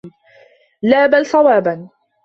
لَا بَلْ صَوَابًا